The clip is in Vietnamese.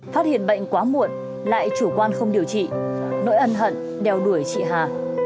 phát hiện bệnh quá muộn lại chủ quan không điều trị nỗi ân hận đeo đuổi chị hà